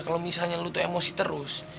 kalo misalnya lo tuh emosi terus